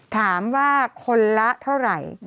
ถามว่าคนละเท่าไหร่